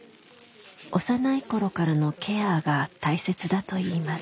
幼い頃からのケアが大切だといいます。